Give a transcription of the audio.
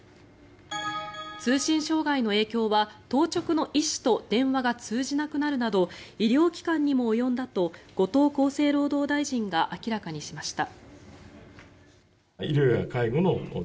通信障害の影響は、当直の医師と電話が通じなくなるなど医療機関にも及んだと後藤厚生労働大臣が明らかにしました。